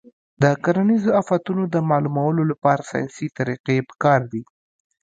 د کرنیزو آفتونو د معلومولو لپاره ساینسي طریقې پکار دي.